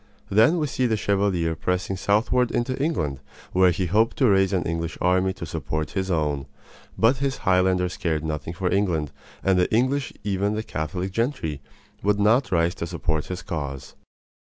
Then we see the Chevalier pressing southward into England, where he hoped to raise an English army to support his own. But his Highlanders cared nothing for England, and the English even the Catholic gentry would not rise to support his cause.